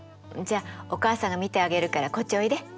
じゃあお母さんが見てあげるからこっちおいで！